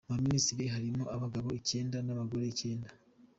Mu baminisitiri, harimo abagabo icyenda n’abagore icyenda.